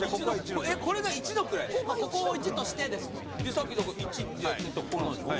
さっき１ってやってこれなんでしょ？